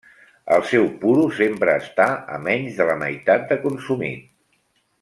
El seu puro sempre està a menys de la meitat de consumit.